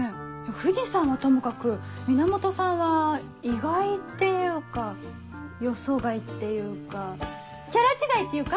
藤さんはともかく源さんは意外っていうか予想外っていうかキャラ違いっていうか。